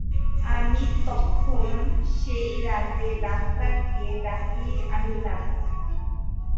আমি তৎক্ষণাৎ সেই রাত্রেই ডাক্তারকে ডাকিয়া আনিলাম।